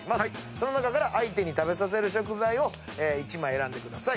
その中から相手に食べさせる食材を１枚選んでください。